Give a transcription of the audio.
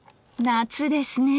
夏ですね。